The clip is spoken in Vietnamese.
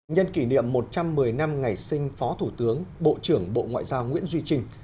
nhân kỷ niệm một trăm một mươi năm ngày sinh phó thủ tướng bộ trưởng bộ ngoại giao nguyễn duy trinh